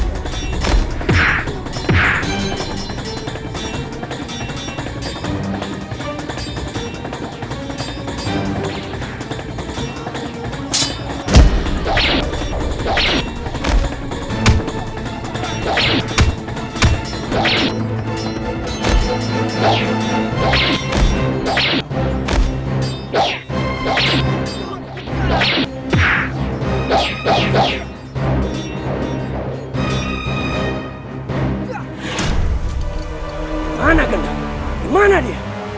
dimana gendong dimana dia